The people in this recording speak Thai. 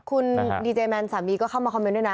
คุณดีเจแมนสามีก็เข้ามาคอมเมนต์ด้วยนะ